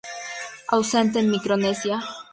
Ausente en Micronesia.